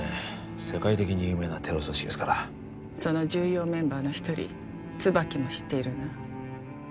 世界的に有名なテロ組織ですからその重要メンバーの一人ツバキも知っているな？